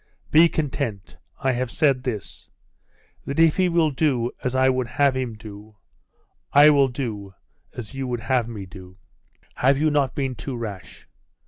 Be content. I have said this that if he will do as I would have him do, I will do as you would have me do.' 'Have you not been too rash?